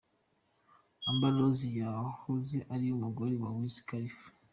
Amber Rose yahoze ari umugore wa Wiz Khalifa.